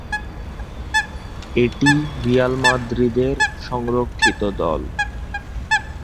এটি রিয়াল মাদ্রিদের সংরক্ষিত দল।